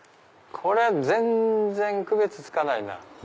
これ全然区別つかないな。